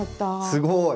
すごい！